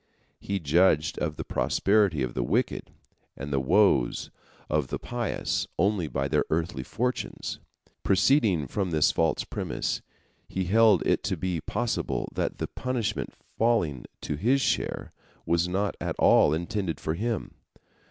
He judged of the prosperity of the wicked and the woes of the pious only by their earthly fortunes. Proceeding from this false premise, he held it to be possible that the punishment falling to his share was not at all intended for him.